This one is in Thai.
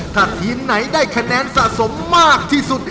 ถ้าทีมไหนได้คะแนนสะสมมากที่สุด